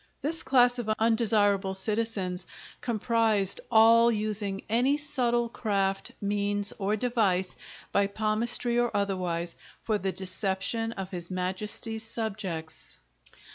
This class of undesirable citizens comprised all using "any subtle Craft, Means, or Device, by Palmistry or otherwise" for the deception of his Majesty's subjects.